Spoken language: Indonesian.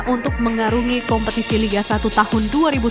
untuk mengarungi kompetisi liga satu tahun dua ribu sembilan belas